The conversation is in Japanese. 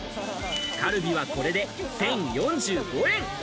カルビはこれで１０４５円。